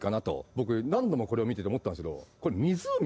僕何度もこれを見てて思ったんすけど。